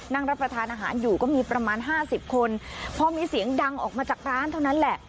นั่งรับประทานอาหารอยู่ก็มีประมาณห้าสิบคนพอมีเสียงดังออกมาจากร้านเท่านั้นแหละ